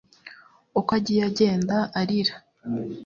Uko agiye agenda arira